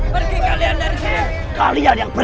pasti kalian kembali